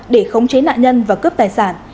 để khống chế nạn nhân và cướp tài sản